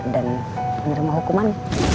dan menerima hukuman